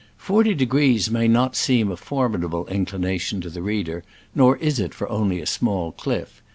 Forty degrees may not seem a formidable inclination to the reader, nor is it for only a small cliff.